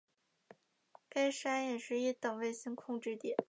该山也是一等卫星控制点。